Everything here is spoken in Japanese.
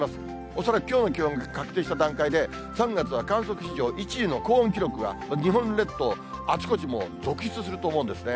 恐らくきょうの気温が確定した段階で、３月は観測史上１位の高温記録が、日本列島、あちこちもう続出すると思うんですね。